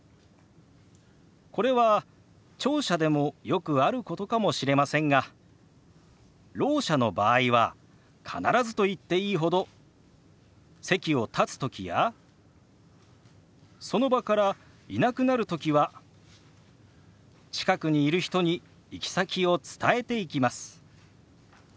これは聴者でもよくあることかもしれませんがろう者の場合は必ずと言っていいほど席を立つときやその場からいなくなるときは近くにいる人に行き先を伝えていきます。